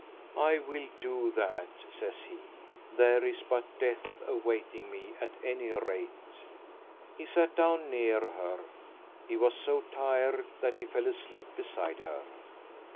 "I will do that," says he, "there is but death awaiting me, at any rate." He sat down near her. He was so tired that he fell asleep beside her.